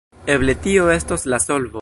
Eble tio estos la solvo.